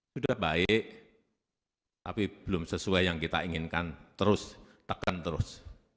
sudah baik tapi belum sesuai yang kita inginkan terus tekan terus